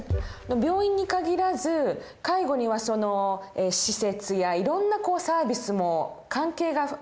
病院に限らず介護にはその施設やいろんなサービスも関係がいろいろありますよね。